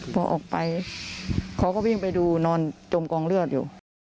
พอออกไปเขาก็วิ่งไปดูนอนจมกองเลือดอยู่